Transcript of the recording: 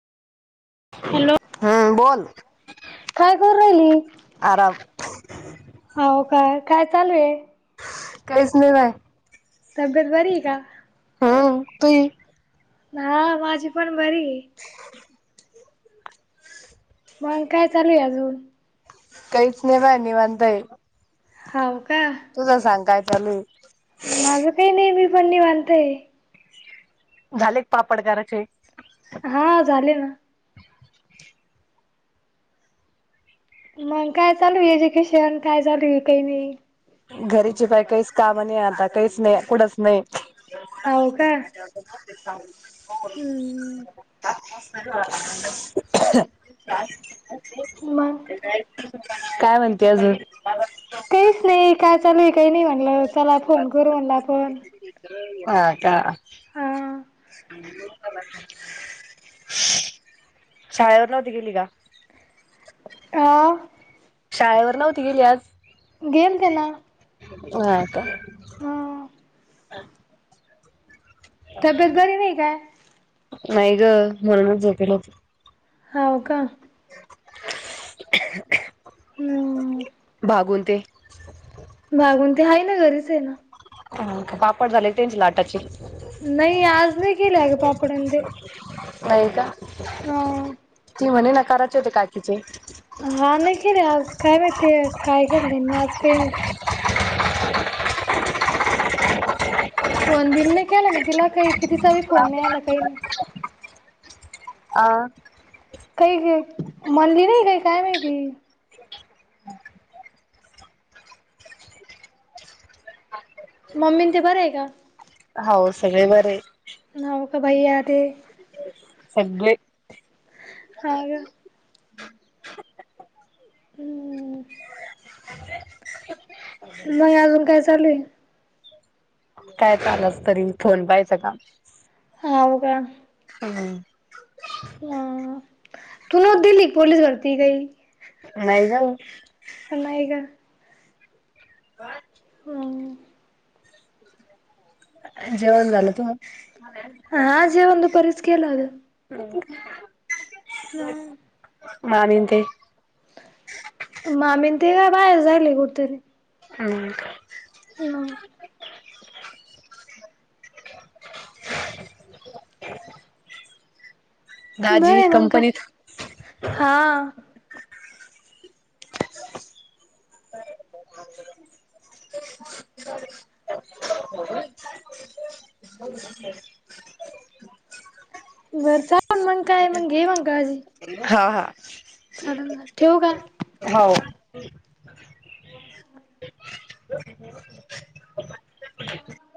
Hello हम्म बोल काय करू राहिली आराम होव काय काय चालू ए काहीच नाही राहेल. तब्येत बरी आहे का? हां, तुई? हा माझी पण बरी आहे. मगं काय चालू आहे अजून? काहीच नाहीे बाय निवांत आहे. हाव का. तुझ सांग काय चालू आहे? माझं काही नाही मी पण निवांत आहे. झालेत का पापड करायचे? हां झाले ना. मगं काय चालू आहे एज्युकेशन काय चालू आहे काही नाही. घरीची बाई काहीच काम नाही आता काहीच नाही कुडत नाही. हाव का. [inaudible] हम्म [unintelligible] [unintelligible] मग? काय म्हणते अजून? काहीच नाही काय चालूय काही नाही म्हणलं चला फोन करू म्हणलं आपण. हां का. हा [inaudible] शाळेवर नव्हती गेली का? हां? शाळेवर नव्हती गेली आज? गेलं ते ना. हां का. हा तब्येत बरी नाही काय? नाही ग थोडावेळ झोपेल होतो. हाव का. हम्म [inaudible] बागून ते बाघून ते आहे ना घरीच हाये. ह पापड झाले त्यांची लाटाचे? नाही आज नाही केेले अग पापड्यां आण ते. नाही का अ ती म्हणेन करायचे होते काकीचे. हा नाही केले अजुन काय माहिती काय केलं त्यांनी आज ते फोन बिन नाही केला मी तिला काही कि तिचा बि फोन नाही आला काही. आ. काही ग म्हणली नाही ग काही काय माहिती. मम्मी ते बरं आहे का? हाऊ सगळे बरेये. नवका बाई आले. सगळे हा का. हं. [inaudible] [inaudible] [unintelligible] नाही अजून काय चालुये? काय चालसं तरी फोन पाहिजे का? होव का? हा. हं, तू [unintelligible] दिली पोलीस भरती काही? नाही जाऊ नाही गं. कायं? हं. जेवण झालं तुज? हा जेवण दुपारीच केलं आ गं. [unintelligible] मामी न ते बाहेर जायले कुठं तरी. हा. [unintelligible] दाजी बरंय, मंग काय. कंपनीत हा. भर [unintelligible] मग काय? मग घे मग [unintelligible] हा हा. चालेल मग, ठेवू काय? हावं. [unintelligible] [unintelligible] [unintelligible]